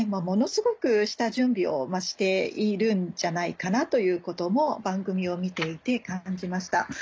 ものすごく下準備をしているんじゃないかなということも番組を見ていて感じました。